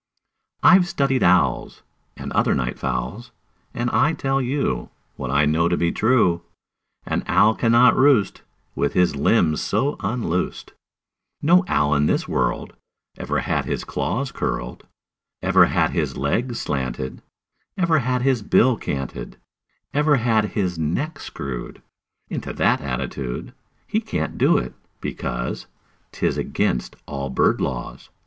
"I've studied owls, And other night fowls, And I tell you What I know to be true: An owl cannot roost With his limbs so unloosed; No owl in this world Ever had his claws curled, Ever had his legs slanted, Ever had his bill canted, Ever had his neck screwed Into that attitude. He can't do it, because 'T is against all bird laws.